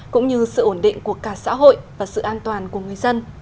cũng như sự ổn định của cả xã hội và sự an toàn của người dân